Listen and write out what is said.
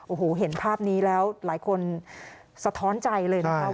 โอ้โหเห็นภาพนี้แล้วหลายคนสะท้อนใจเลยนะครับ